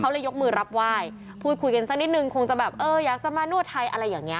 เลยยกมือรับไหว้พูดคุยกันสักนิดนึงคงจะแบบเอออยากจะมานวดไทยอะไรอย่างเงี้